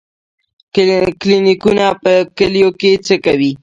کلینیکونه په کلیو کې څه کوي؟